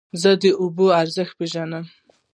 زه د اوبو ارزښت پېژنم.